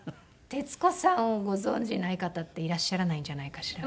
徹子さんをご存じない方っていらっしゃらないんじゃないかしら。